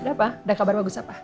sudah apa udah kabar bagus apa